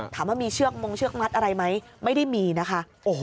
ถามว่ามีเชือกมงเชือกมัดอะไรไหมไม่ได้มีนะคะ